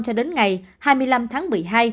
cho đến ngày hai mươi năm tháng một mươi hai